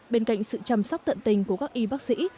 bên cạnh sự chăm sóc tận tình của các y bác sĩ